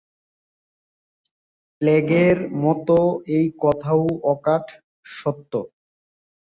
প্লেগের মতো এই কথাও অকাট সত্য।